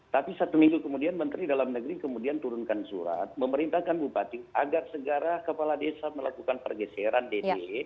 tapi satu minggu kemudian menteri dalam negeri kemudian turunkan surat memerintahkan bupati agar segera kepala desa melakukan pergeseran dd